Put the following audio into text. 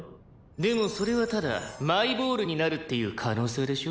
でもそれはただマイボールになるっていう可能性でしょ？」